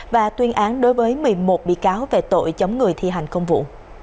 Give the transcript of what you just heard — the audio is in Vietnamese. và tuyên án đối với một mươi một bị cáo về tội chống người thi hành công vụ